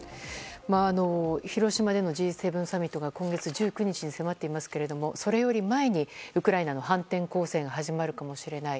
広島でのＧ７サミットが今月１９日に迫っていますけれどもそれより前にウクライナの反転攻勢が始まるかもしれない。